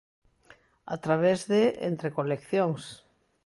A través de Entre coleccións.